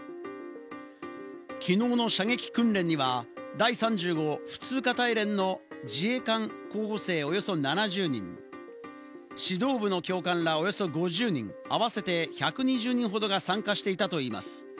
きのうの射撃訓練には、第３５普通科連隊の自衛官候補生がおよそ７０人、指導部の教官らおよそ５０人、合わせて１２０人ほどが参加していたといいます。